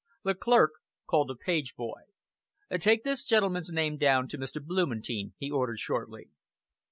The clerk called a page boy. "Take this gentleman's name down to Mr. Blumentein," he ordered shortly.